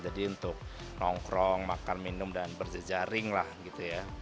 jadi untuk nongkrong makan minum dan berjejaring lah gitu ya